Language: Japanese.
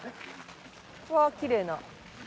わきれいな。